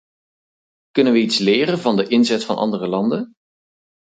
Kunnen we iets leren van de inzet van andere landen?